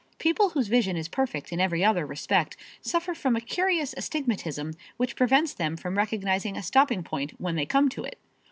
People whose vision is perfect in every other respect suffer from a curious astigmatism which prevents them from recognizing a stopping point when they come to it.